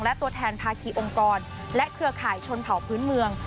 และตัวแทนภาคีองค์กรและเครือข่ายชนเผาพื้นเมือง